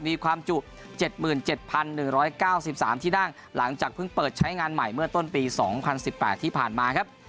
มีความจุ๗๗๑๙๓ที่นั่งหลังจากเพิ่งเปิดใช้งานใหม่เมื่อต้นปี๒๐๑๘ที่ผ่านมาครับ